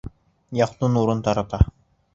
Яҡты нурын тарата.